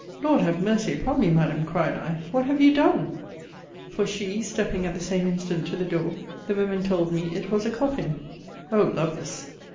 Lord have mercy upon me, Madam! cried I, what have you done? For she, stepping at the same instant to the door, the women told me it was a coffin. O Lovelace!